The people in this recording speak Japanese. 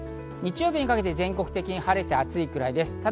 日曜日にかけて全国的に晴れて暑いくらいです。